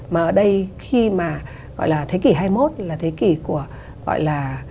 mà ở đây khi mà gọi là thế kỷ hai mươi một là thế kỷ của gọi là